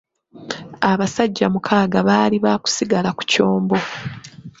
Abasajja mukaaga baali ba kusigala ku kyombo.